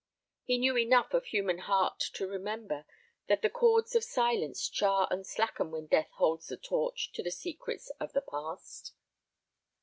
He knew enough of the human heart to remember that the cords of silence char and slacken when Death holds the torch to the secrets of the past.